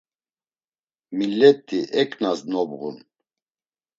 Millet̆i eǩnas nobğun.